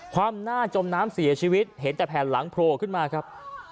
ความหน้าจมน้ำเสียชีวิตเห็นแต่แผ่นหลังโผล่ขึ้นมาครับ